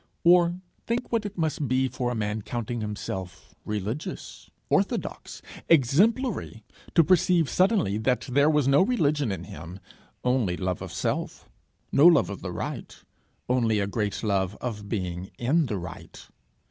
Or think what it must be for a man counting himself religious, orthodox, exemplary, to perceive suddenly that there was no religion in him, only love of self; no love of the right, only a great love of being in the right!